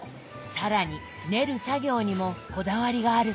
更に練る作業にもこだわりがあるそうで。